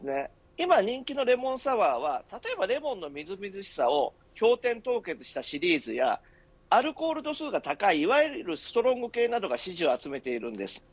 今、人気のレモンサワ―は例えばレモンのみずみずしさを氷点凍結したシリーズやアルコール度数が高いいわゆるストロング系が支持を集めています。